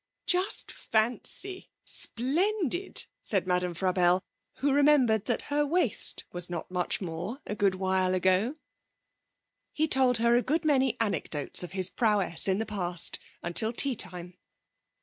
'Just fancy! Splendid!' said Madame Frabelle, who remembered that her waist was not much more a good while ago. He told her a good many anecdotes of his prowess in the past, until tea time.